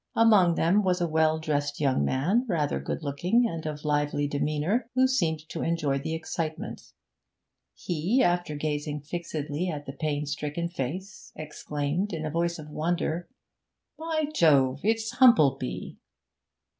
Among them was a well dressed young man, rather good looking and of lively demeanour, who seemed to enjoy the excitement; he, after gazing fixedly at the pain stricken face, exclaimed in a voice of wonder 'By jove! it's Humplebee!'